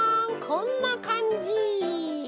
こんなかんじ。